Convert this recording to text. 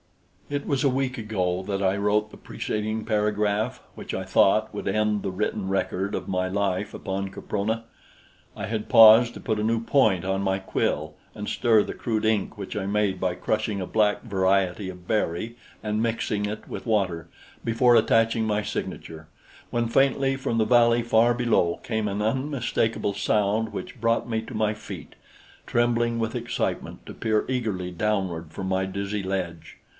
It was a week ago that I wrote the preceding paragraph, which I thought would end the written record of my life upon Caprona. I had paused to put a new point on my quill and stir the crude ink (which I made by crushing a black variety of berry and mixing it with water) before attaching my signature, when faintly from the valley far below came an unmistakable sound which brought me to my feet, trembling with excitement, to peer eagerly downward from my dizzy ledge.